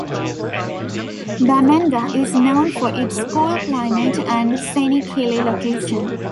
Bamenda is known for its cool climate and scenic hilly location.